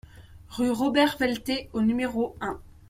Rue Robert Velter au numéro un